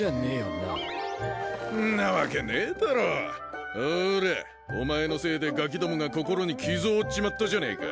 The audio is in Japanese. んなわけねえだろほらお前のせいでガキどもが心に傷を負っちまったじゃねえか